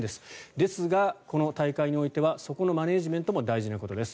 ですが、この大会においてはそこのマネジメントも大事なことです。